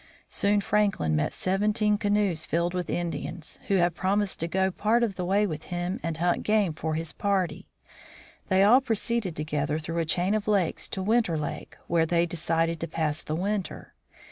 Soon Franklin met seventeen canoes filled with Indians, who had promised to go part of the way with him and A Post of the Hudson Bay Company. hunt game for his party. They all proceeded together through a chain of lakes to Winter lake, where they de cided to pass the winter.